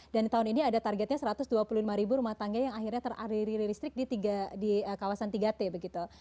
dan tahun ini ada targetnya satu ratus dua puluh lima ribu rumah tangga yang akhirnya teradiri listrik di kawasan tiga t begitu